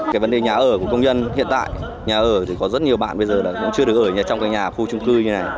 cái vấn đề nhà ở của công nhân hiện tại nhà ở thì có rất nhiều bạn bây giờ là cũng chưa được ở nhà trong cái nhà khu trung cư như này